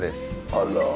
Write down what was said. あら。